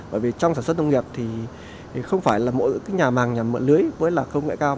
bởi vì trong sản xuất nông nghiệp thì không phải là mỗi cái nhà màng nhà mượn lưới với là công nghệ cao